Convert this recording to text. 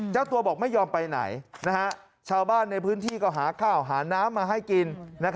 เจ้าตัวบอกไม่ยอมไปไหนชาวบ้านในพื้นที่ก็หาข้าวหาน้ำมาให้กิน